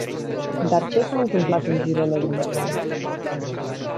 Dar ce s-a întâmplat în zilele următoare?